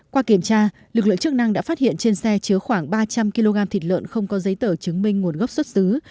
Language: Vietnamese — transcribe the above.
qua kiểm tra lực lượng chức năng đã phát hiện trên xe chứa khoảng ba trăm linh kg thịt lợn không có giấy tờ chứng minh nguồn gốc xuất xứ